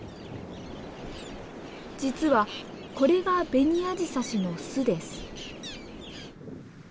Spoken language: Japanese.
実はこれがベニアジサシの巣です。